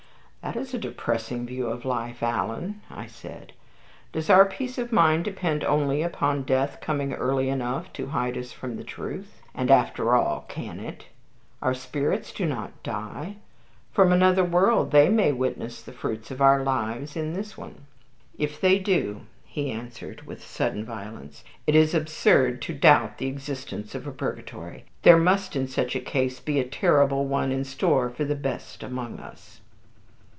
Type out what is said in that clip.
"That is a depressing view of life, Alan," I said. "Does our peace of mind depend only upon death coming early enough to hide from us the truth? And, after all, can it? Our spirits do not die. From another world they may witness the fruits of our lives in this one." "If they do," he answered with sudden violence, "it is absurd to doubt the existence of a purgatory. There must in such a case be a terrible one in store for the best among us."